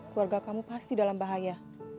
keluarga kamu pasti dalam bahaya